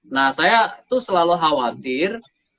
nah saya tuh selalu khawatir